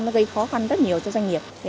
nó gây khó khăn rất nhiều cho doanh nghiệp